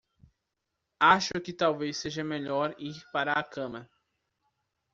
Acho que talvez seja melhor ir para a cama.